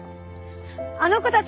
あの子たち